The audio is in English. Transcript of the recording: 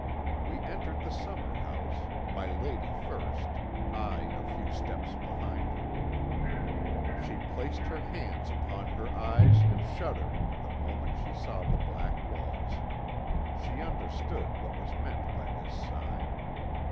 "We entered the summer house, my lady first, I a few steps behind her. "She placed her hands upon her eyes and shuddered, the moment she saw the black walls. She understood what was meant by this sign.